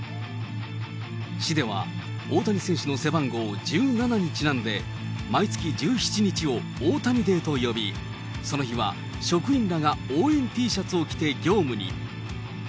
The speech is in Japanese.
市では大谷選手の背番号１７にちなんで、毎月１７日を大谷デーと呼び、その日は職員らが応援Ｔシャツを着て業務に。